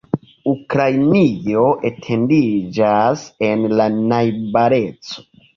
Ukrainio etendiĝas en la najbareco.